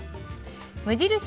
無印